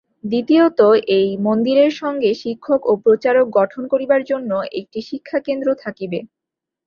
দ্বিতীয়ত এই মন্দিরের সঙ্গে শিক্ষক ও প্রচারক গঠন করিবার জন্য একটি শিক্ষাকেন্দ্র থাকিবে।